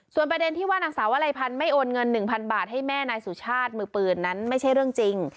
ประเด็นที่ว่านางสาววลัยพันธ์ไม่โอนเงิน๑๐๐บาทให้แม่นายสุชาติมือปืนนั้นไม่ใช่เรื่องจริง